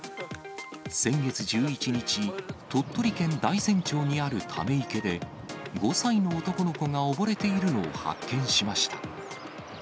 先月１１日、鳥取県大山町にあるため池で、５歳の男の子が溺れているのを発見しました。